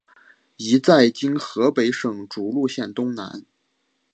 一在今河北省涿鹿县东南。